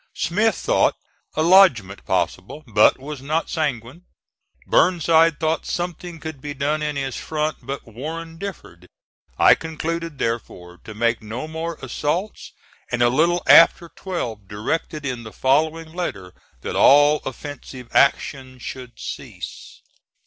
Smith thought a lodgment possible, but was not sanguine: Burnside thought something could be done in his front, but Warren differed. I concluded, therefore to make no more assaults, and a little after twelve directed in the following letter that all offensive action should cease.